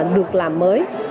được làm mới